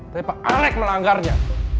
tapi pak alek melanggarnya